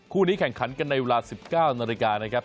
คู่นี้แข่งขันกันในเวลา๑๙นาฬิกานะครับ